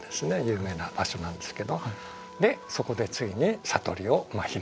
有名な場所なんですけどそこでついに悟りを開いたわけですね。